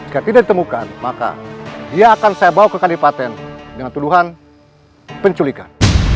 ketika ditemukan maka dia akan saya bawa ke kalipaten dengan tuduhan penculikan